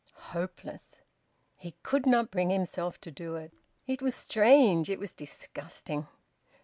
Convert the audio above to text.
Hopeless! He could not bring himself to do it. It was strange! It was disgusting!